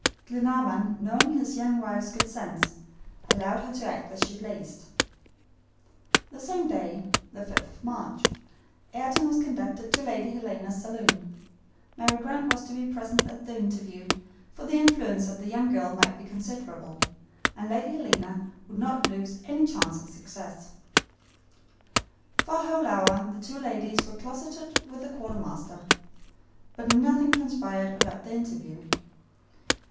Glenarvan, knowing his young wife's good sense, allowed her to act as she pleased. The same day (the 5th of March), Ayrton was conducted to Lady Helena's saloon. Mary Grant was to be present at the interview, for the influence of the young girl might be considerable, and Lady Helena would not lose any chance of success. For a whole hour the two ladies were closeted with the quartermaster, but nothing transpired about their interview.